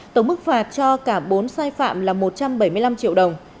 tổng mức phạt cho cả bốn sai phạm là một trăm bảy mươi năm triệu đồng